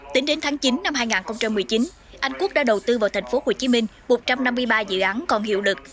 tính đến tháng chín năm hai nghìn một mươi chín anh quốc đã đầu tư vào thành phố hồ chí minh một trăm năm mươi ba dự án còn hiệu lực